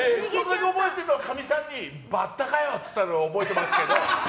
覚えてるのは、かみさんにバッタかよ！って言ったのは覚えてますけど。